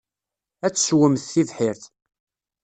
Ad tesswemt tibḥirt.